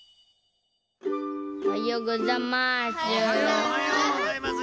おはようございます。